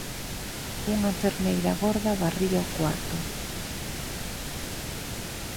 Unha enfermeira gorda varría o cuarto.